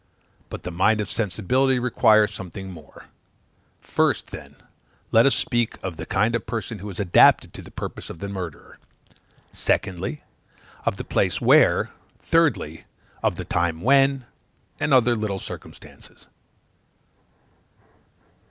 But the mind of sensibility requires something more. First, then, let us speak of the kind of person who is adapted to the purpose of the murderer; secondly, of the place where; thirdly, of the time when, and other little circumstances.